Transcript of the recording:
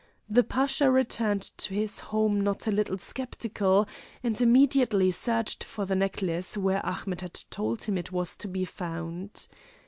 The Pasha returned to his home not a little sceptical, and immediately searched for the necklace where Ahmet had told him it was to be found.